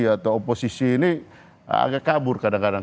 atau oposisi ini agak kabur kadang kadang